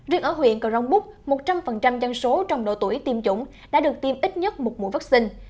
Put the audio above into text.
riêng ở huyện cờ rông búc một trăm linh dân số trong độ tuổi tiêm chủng đã được tiêm ít nhất một mũi vaccine